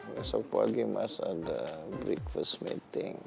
besok pagi mas ada breakfast meeting